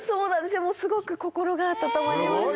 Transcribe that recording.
すごく心が温まりました。